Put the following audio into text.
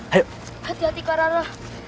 hati hati kak rara